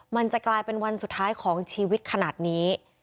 มันจะกลายเป็นวันสุดท้ายของชีวิตขนาดนี้